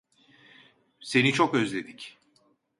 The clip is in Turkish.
Seni çok özledik.